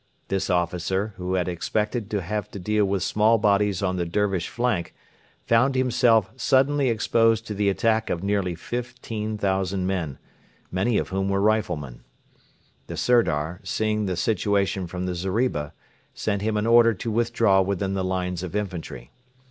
This officer, who had expected to have to deal with small bodies on the Dervish flank, found himself suddenly exposed to the attack of nearly 15,000 men, many of whom were riflemen. The Sirdar, seeing the situation from the zeriba, sent him an order to withdraw within the lines of infantry.